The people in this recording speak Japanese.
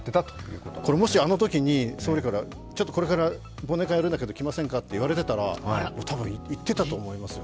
これあのときに、総理からちょっとこれから忘年会あるから来ませんかっていわれていたら多分、行っていたと思いますよ。